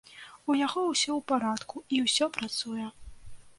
У яго ўсё ў парадку, і ўсё працуе.